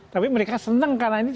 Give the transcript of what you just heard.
tapi mereka senang karena ini